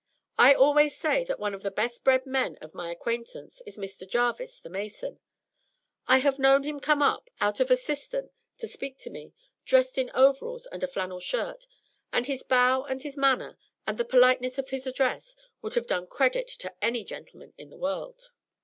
I always say that one of the best bred men of my acquaintance is Mr. Jarvis, the mason. I have known him come up out of a cistern to speak to me, dressed in overalls and a flannel shirt; and his bow and his manner and the politeness of his address would have done credit to any gentleman in the world."